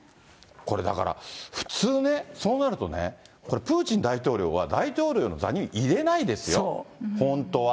これ、だから普通ね、そうなるとね、これ、プーチン大統領は大統領の座に入れないですよ、本当は。